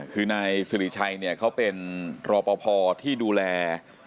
คือในสริชัยเนี่ยเขาเป็นรอป่าวพอร์ที่ดูแล